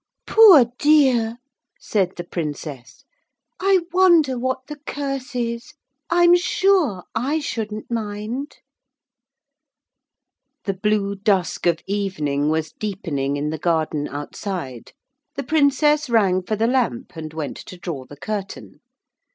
_ 'Poor dear,' said the Princess. 'I wonder what the curse is! I'm sure I shouldn't mind!' The blue dusk of evening was deepening in the garden outside. The Princess rang for the lamp and went to draw the curtain.